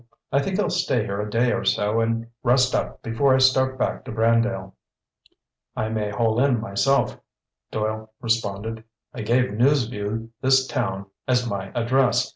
I think I'll stay here a day or so and rest up before I start back to Brandale." "I may hole in myself," Doyle responded. "I gave News Vue this town as my address.